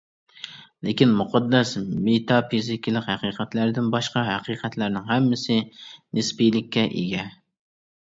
لېكىن مۇقەددەس مېتافىزىكىلىق ھەقىقەتلەردىن باشقا ھەقىقەتلەرنىڭ ھەممىسى نىسپىيلىككە ئىگە.